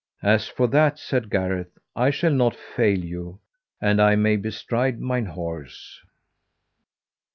As for that, said Gareth, I shall not fail you an I may bestride mine horse.